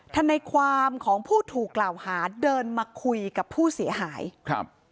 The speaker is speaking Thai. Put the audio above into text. ทนายความของผู้ถูกกล่าวหาเดินมาคุยกับผู้เสียหายครับ